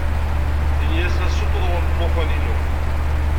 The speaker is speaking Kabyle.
Ini-as la ssuṭṭuḍeɣ alufan-inu.